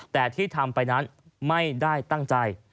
แต่ที่ทำไปนั้นไม่ได้ตั้งใจ